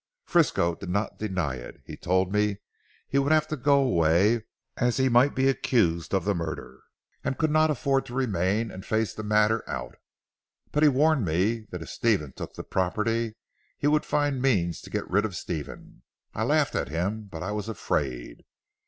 Frisco did not deny it. He told me he would have to go away as he might be accused of the murder, and could not afford to remain and face the matter out. But he warned me that if Stephen took the property he would find means to get rid of Stephen. I laughed at him: but I was afraid.